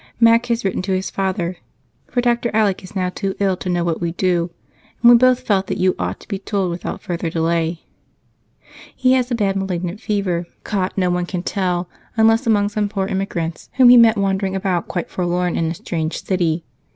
Mac has written to his father, for Dr. Alec is now too ill to know what we do, and we both felt that you ought to be told without further delay. He has a bad malignant fever, caught no one can tell how, unless among some poor emigrants whom he met wandering about quite forlorn in a strange city.